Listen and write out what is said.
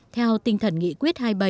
theo tinh thần nghị quyết hai mươi bảy